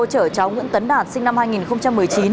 chở cháu nguyễn tấn đạt sinh năm hai nghìn chín